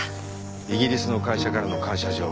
イギリスの会社からの感謝状。